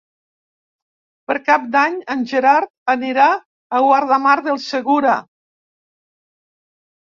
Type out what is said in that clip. Per Cap d'Any en Gerard anirà a Guardamar del Segura.